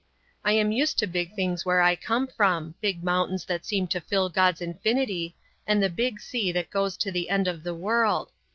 I am used to big things where I come from, big mountains that seem to fill God's infinity, and the big sea that goes to the end of the world.